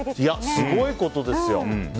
すごいことですよ。